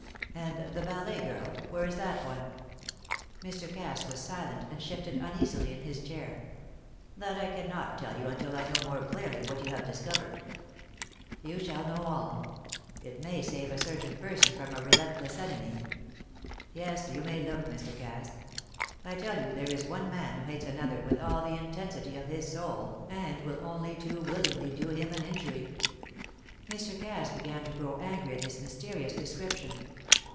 "And the ballet girl? Where is that one?" Mr. Cass was silent and shifted uneasily in his chair. "That I cannot tell you until I know more clearly what you have discovered." "You shall know all. It may save a certain person from a relentless enemy. Yes; you may look, Mr. Cass! I tell you there is one man who hates another with all the intensity of his soul, and will only too willingly do him an injury." Mr. Cass began to grow angry at this mysterious description.